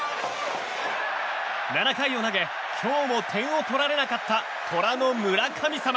７回を投げ今日も点を取られなかった虎の村神様。